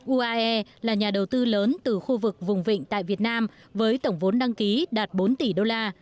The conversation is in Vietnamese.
uae là nhà đầu tư lớn từ khu vực vùng vịnh tại việt nam với tổng vốn đăng ký đạt bốn tỷ đô la